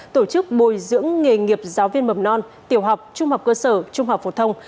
tổ chức bồi dưỡng nghề nghiệp giáo viên mầm non tiểu học trung học cơ sở trung học phổ thông